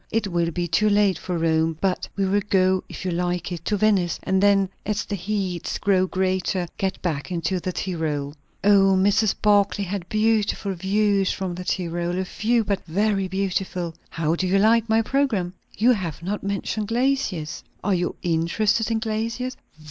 It will be too late for Rome; but we will go, if you like it, to Venice; and then, as the heats grow greater, get back into the Tyrol." "O, Mrs. Barclay had beautiful views from the Tyrol; a few, but very beautiful." "How do you like my programme?" "You have not mentioned glaciers." "Are you' interested in glaciers?"